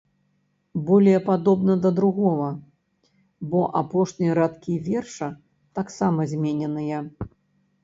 Болей падобна да другога, бо апошнія радкі верша таксама змененыя.